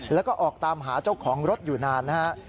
แล้วก็ออกตามหาเจ้าของรถอยู่นานนะครับ